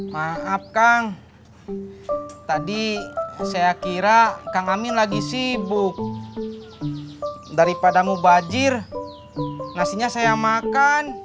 maaf kang tadi saya kira kang amin lagi sibuk daripada mubajir nasinya saya makan